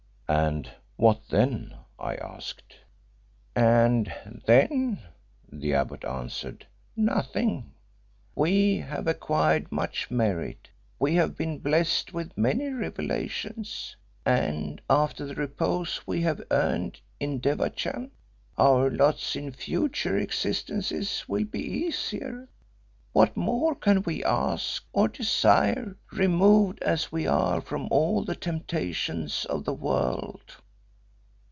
"And what then?" I asked. "And then," the abbot answered, "nothing. We have acquired much merit; we have been blest with many revelations, and, after the repose we have earned in Devachan, our lots in future existences will be easier. What more can we ask or desire, removed as we are from all the temptations of the world?"